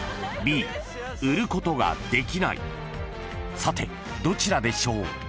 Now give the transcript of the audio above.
［さてどちらでしょう？］